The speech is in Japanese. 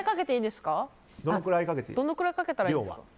どのくらいかけたらいいですか。